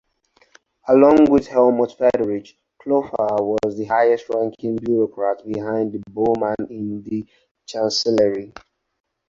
Along with Helmuth Friedrichs, Klopfer was the highest-ranking bureaucrat behind Bormann in the Chancellery.